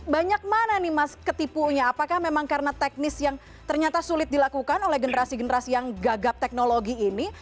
banyak mana nih mas ketipunya apakah memang karena teknis yang ternyata sulit dilakukan oleh generasi generasi yang gagap teknologi ini